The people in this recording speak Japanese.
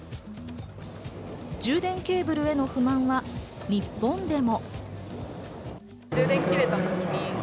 充電ケーブルへの不満は日本でも。